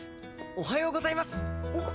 おはようございます！